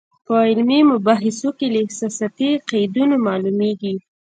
په علمي مباحثو کې له احساساتي قیدونو معلومېږي.